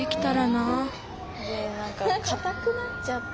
でなんかかたくなっちゃって。